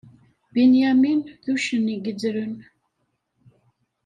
Binyamin, d uccen i yezzren.